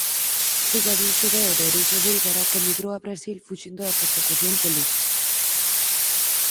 Filla dun xudeu de orixe búlgara que emigrou a Brasil fuxindo da persecución política.